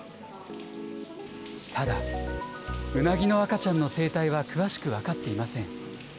ただ、うなぎの赤ちゃんの生態は詳しく分かっていません。